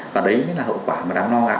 và đấy mới là hậu quả đáng lo